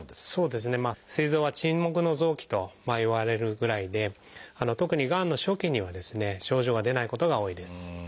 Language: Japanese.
すい臓は沈黙の臓器といわれるぐらいで特にがんの初期にはですね症状が出ないことが多いです。